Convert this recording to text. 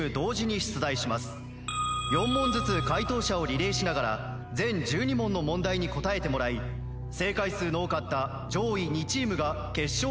４問ずつ解答者をリレーしながら全１２問の問題に答えてもらい正解数の多かった上位２チームが決勝ラウンド進出となります。